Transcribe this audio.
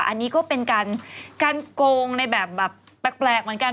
อันนี้ก็เป็นการโกงในแบบแปลกเหมือนกัน